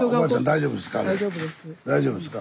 大丈夫です。